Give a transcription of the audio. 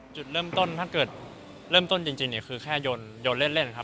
จุดเริ่มต้นถ้าเกิดเริ่มต้นจริงเนี่ยคือแค่โยนเล่นครับ